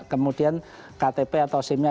kemudian ktp atau simnya